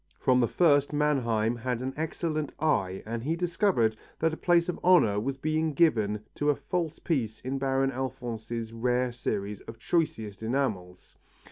From the first, Mannheim had an excellent eye and he discovered that a place of honour was being given to a false piece in Baron Alphonse's rare series of choicest enamels.